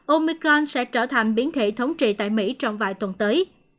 omicron sẽ trở thành biến thể thống trị tại mỹ trong vài tuần tới